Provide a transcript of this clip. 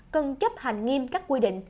cần chấp hành nghiêm các quy định